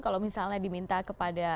kalau misalnya diminta kepada